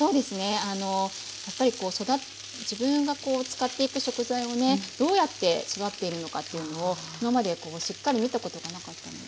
やっぱりこう自分が使っていく食材をねどうやって育てているのかというのを今までしっかり見たことがなかったので。